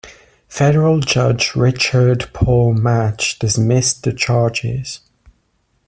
Federal judge Richard Paul Matsch dismissed the charges.